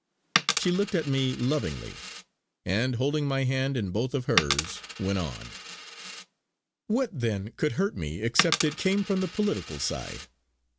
She looked at me lovingly, and, holding my hand in both of hers, went on: "What then could hurt me except it came from the political side.